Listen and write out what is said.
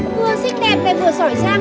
vừa xích đẹp này vừa sỏi giang